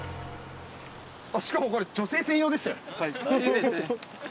しかもこれ女性専用でしたよ。